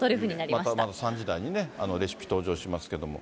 また３時台にね、レシピ登場しますけども。